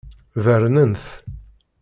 Bernen-t.